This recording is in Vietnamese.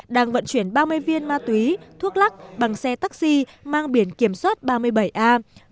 đang vận chuyển ba mươi viên ma túy thuốc lắc bằng xe taxi mang biển kiểm soát ba mươi bảy a một mươi bốn nghìn một trăm hai mươi